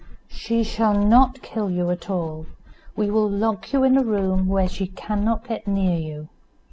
"She shall not kill you at all; we will lock you in a room where she cannot get near you."